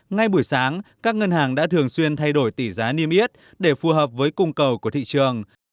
ngay buổi sáng các ngân hàng đã thường xuyên thay đổi tỷ giá niêm yết để phù hợp với cung cầu của thị trường